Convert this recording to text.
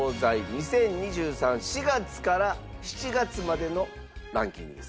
２０２３４月から７月までのランキングです。